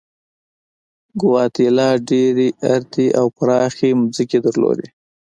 ګواتیلا ډېرې ارتې او پراخې ځمکې درلودلې.